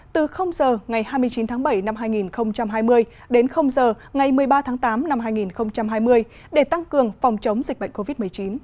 từ giờ ngày hai mươi chín tháng bảy năm hai nghìn hai mươi đến h ngày một mươi ba tháng tám năm hai nghìn hai mươi để tăng cường phòng chống dịch bệnh covid một mươi chín